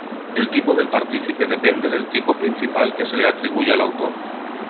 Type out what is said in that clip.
El tipo del partícipe depende del tipo principal que se le atribuye al autor.